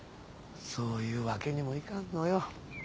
そういうわけにもいかんのよ。